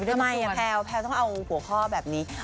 ทำไมแพลวต้องเอาหัวข้อแบบนี้